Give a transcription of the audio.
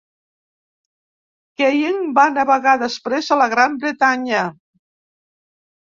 "Keying" va navegar després a la Gran Bretanya.